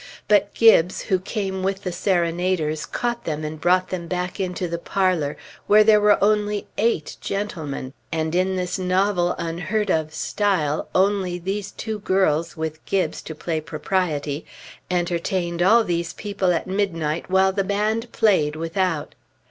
But Gibbes, who came with the serenaders, caught them and brought them back into the parlor, where there were only eight gentlemen; and in this novel, unheard of style, only these two girls, with Gibbes to play propriety, entertained all these people at midnight while the band played without....